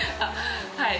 はい。